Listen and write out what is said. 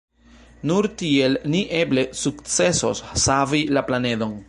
Nur tiel ni eble sukcesos savi la planedon.